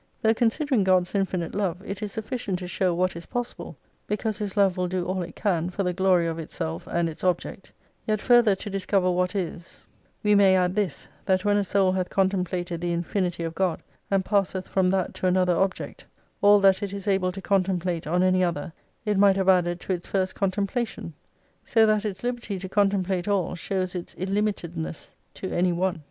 Though considering God's infinite love, it is sufficient to show what is possible ; because His love will do all it can for the glory of itself and its object : yet further to discover what is, we may add 316 this, that when a soul hath contemplated the Infinity of God, and passeth from that to another object, all that it is able to contemplate on any other it might have added to its first contemplation. So that its liberty to con template all shows its illimitedness to any one.